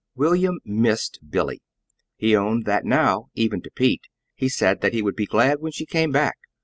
William missed Billy. He owned that now even to Pete. He said that he would be glad when she came back.